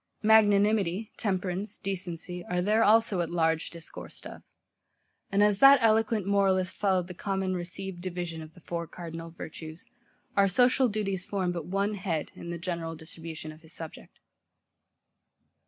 MAGNANIMITY, TEMPERANCE, DECENCY, are there also at large discoursed of. And as that eloquent moralist followed the common received division of the four cardinal virtues, our social duties form but one head, in the general distribution of his subject.